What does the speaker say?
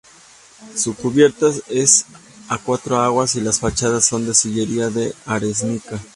Su cubierta es a cuatro aguas y las fachadas son de sillería de arenisca.